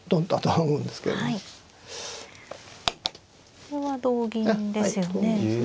これは同銀ですよね。